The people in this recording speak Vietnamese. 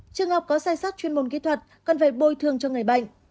trường hợp có sai sót chuyên môn kỹ thuật cần phải bồi thường cho người bệnh